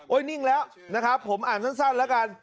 นิ่งแล้วนะครับผมอ่านสั้นแล้วกัน